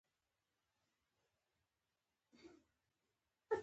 نسخ خط؛ د خط یو ډول دﺉ.